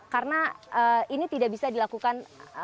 karena ini tidak bisa dilakukan